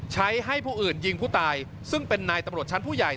ให้ผู้อื่นยิงผู้ตายซึ่งเป็นนายตำรวจชั้นผู้ใหญ่